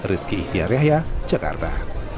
rizky ihtiyar yahya jakarta